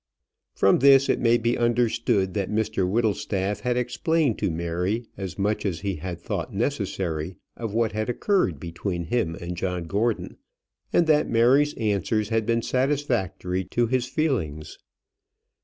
From this it may be understood that Mr Whittlestaff had explained to Mary as much as he had thought necessary of what had occurred between him and John Gordon, and that Mary's answers had been satisfactory to his feelings.